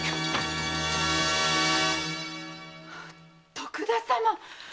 徳田様